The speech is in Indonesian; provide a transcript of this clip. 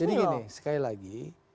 jadi gini sekali lagi